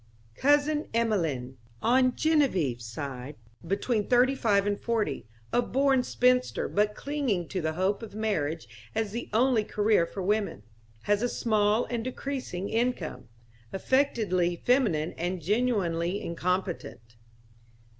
Cousin Emelene.... On Genevieve's side. Between thirty five and forty, a born spinster but clinging to the hope of marriage as the only career for women. Has a small and decreasing income. Affectedly feminine and genuinely incompetent.